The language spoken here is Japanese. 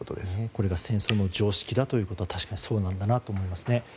これが戦争の常識だということはそうなんだなと思いますね。